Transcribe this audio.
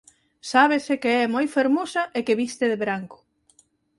Sábese que é moi fermosa e que viste de branco.